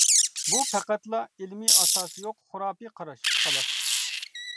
بۇ پەقەتلا ئىلمى ئاساسى يوق خۇراپىي قاراش، خالاس.